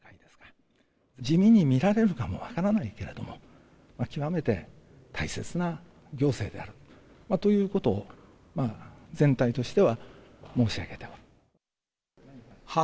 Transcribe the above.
地味に見られるかもわからないけれども、極めて大切な行政であるということを、全体としては申し上げたわけで。